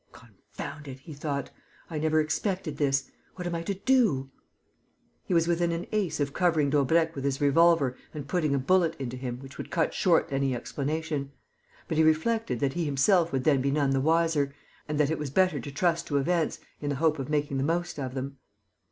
"Confound it!" he thought. "I never expected this. What am I to do?" He was within an ace of covering Daubrecq with his revolver and putting a bullet into him which would cut short any explanation. But he reflected that he himself would then be none the wiser and that it was better to trust to events in the hope of making the most of them.